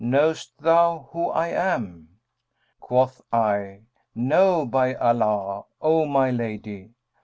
Knowest thou who I am?' Quoth I, 'No, by Allah, O my lady!'